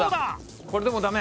これでもダメ？